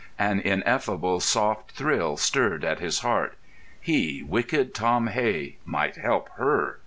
An ineffable, soft thrill stirred at his heart; he, wicked Tom Hey, might help her.